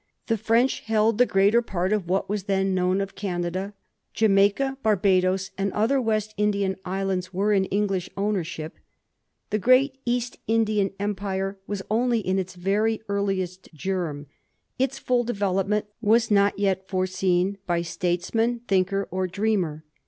The French held the greater part of what was then known of Canada ; Jamaica, Barbadoes, and other West Indian islands were in England's ownership. The great East In dian Empire was only in its very earliest germ ; its ftiU development was not yet foreseen by statesman, thinker, or dreamer.